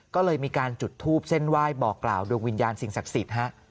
ก็เลยมีการจุดทูปเส้นไหว้บอกกล่าวดวงวิญญาณสิ่งศักดิ์สิทธิ์ฮะ